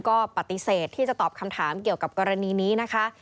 ก็ปฏิเสธที่จะตอบคำถามเกี่ยวกับกรณีนี้นะคะ